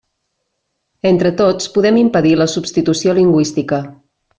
Entre tots podem impedir la substitució lingüística.